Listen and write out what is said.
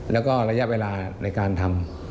แล้วก็ระยะเวลาในการทำ